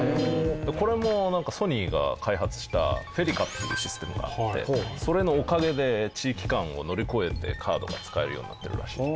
これもなんかソニーが開発したＦｅｌｉＣａっていうシステムがあってそれのおかげで地域間を乗り越えてカードが使えるようになってるらしい。